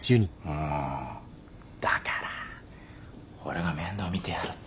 だから俺が面倒見てやるって。